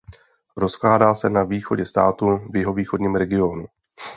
Rozkládá se na východě státu v Jihovýchodním regionu.